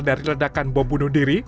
dari ledakan bom bunuh diri